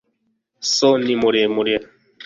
so ni muremure